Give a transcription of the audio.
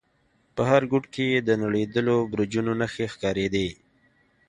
په هر گوټ کښې يې د نړېدلو برجونو نخښې ښکارېدې.